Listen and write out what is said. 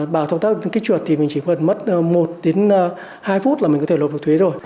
bảo thông tác kích chuột thì mình chỉ cần mất một hai phút là mình có thể lục được thuế rồi